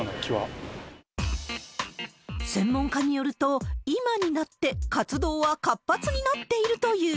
専門家によると、今になって活動は活発になっているという。